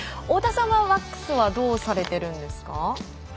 太田さんはワックスはどうされているんですか？